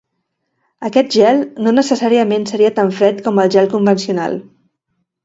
Aquest gel no necessàriament seria tan fred com el gel convencional.